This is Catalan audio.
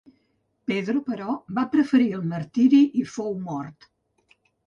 Pedro, però, va preferir el martiri i fou mort.